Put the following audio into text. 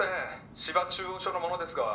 芝中央署の者ですが」